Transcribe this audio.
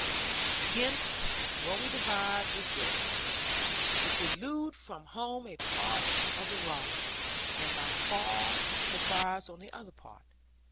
Hence, what we devised was this; to delude from home a part of the robbers, and fall by surprise on the other part.